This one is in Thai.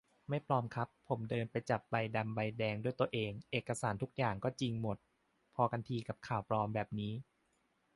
ไม่ปลอมครับ ผมเดินไปจับใบดำใบแดงด้วยตัวเอง เอกสารทุกอย่างก็จริงหมด พอกันทีกับข่าวปลอมแบบนี้